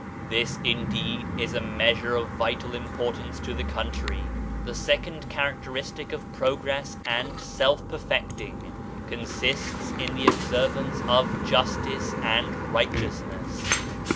This, indeed, is a measure of vital importance to the country. The second characteristic of progress and self perfecting consists in the observance of justice and righteousness.